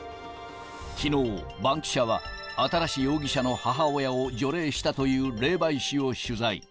きのう、バンキシャは新容疑者の母親を除霊したという霊媒師を取材。